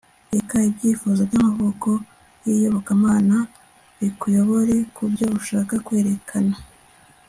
reka ibyifuzo byamavuko yiyobokamana bikuyobore kubyo ushaka kwerekana